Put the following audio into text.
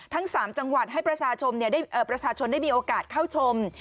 ทั้ง๓จังหวัดให้ประชาชนประชาชนได้มีโอกาสเข้าชม